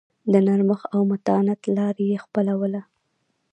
د نرمښت او متانت لار یې خپلوله.